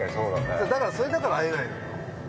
それだから会えないのよ。